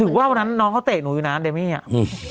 ถึงว่าวันนั้นน้องเขาเตะหนูอยู่น่ะแดมมี่อ่ะ